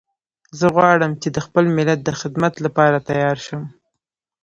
زه غواړم چې د خپل ملت د خدمت لپاره تیار شم